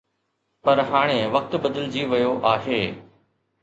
پر هاڻي وقت بدلجي ويو آهي.